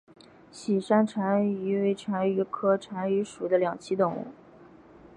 喜山蟾蜍为蟾蜍科蟾蜍属的两栖动物。